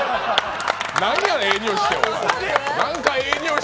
何やねん、ええにおいして。